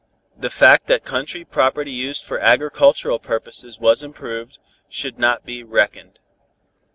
The fact that country property used for agricultural purposes was improved, should not be reckoned.